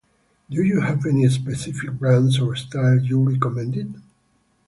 Do you have any specific brands or styles you recommend?